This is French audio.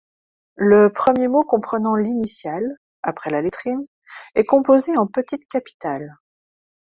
Le premier mot comprenant l’initiale, après la lettrine, est composé en petites capitales.